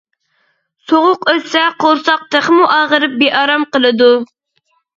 سوغۇق ئۆتسە قورساق تېخىمۇ ئاغرىپ بىئارام قىلىدۇ.